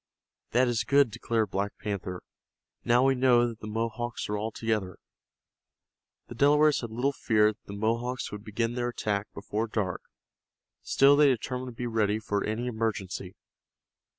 "That is good," declared Black Panther. "Now we know that the Mohawks are all together." The Delawares had little fear that the Mohawks would begin their attack before dark, still they determined to be ready for any emergency.